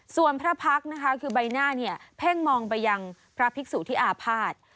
ส่วนพระพักษ์นะคะคือใบหน้าเนี่ยเพ่งมองไปยังพระภิกษุธิอาภาษณ์